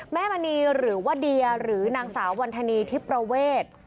แม่มะนีหรือว่าเดียหรือนางสาววรรษณีย์ที่ประเวท